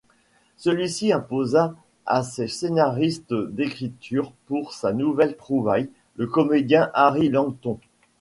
Celui-ci imposa à ses scénaristes d'écrire pour sa nouvelle trouvaille, le comédien Harry Langdon.